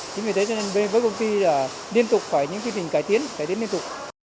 chính vì thế cho nên với công ty là liên tục phải những chương trình cải tiến cải đến liên tục